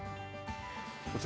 こちら。